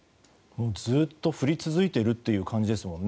ずっと降り続いているという感じですもんね。